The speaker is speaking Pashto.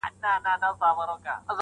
په كوڅو كي يې ژوندۍ جنازې ګرځي؛